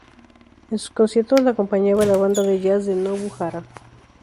En sus conciertos, la acompañaba la banda de jazz de Nobuo Hara.